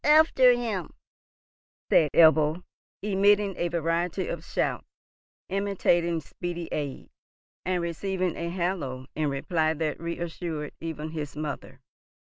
"Up after him!" said Ebbo, emitting a variety of shouts intimating speedy aid, and receiving a halloo in reply that reassured even his mother.